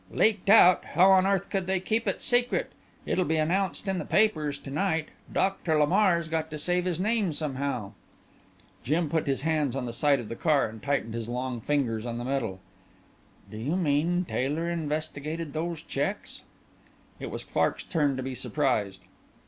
"Leaked out? How on earth could they keep it secret. It'll be announced in the papers to night. Doctor Lamar's got to save his name somehow." Jim put his hands on the sides of the car and tightened his long fingers on the metal. "Do you mean Taylor investigated those checks?" It was Clark's turn to be surprised.